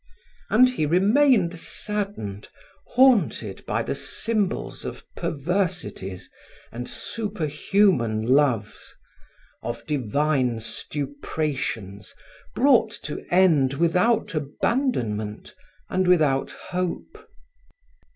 And he remained saddened, haunted by the symbols of perversities and superhuman loves, of divine stuprations brought to end without abandonment and without hope.